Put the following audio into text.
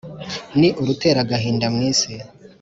Ni uruteragahinda mw'isi